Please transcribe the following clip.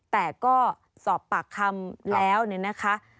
แต่ก็สอบปากคำแล้วเนี่ยนะคะ